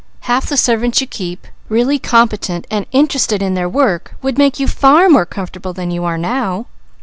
Half the servants you keep, really interested in their work, would make you far more comfortable than you are now."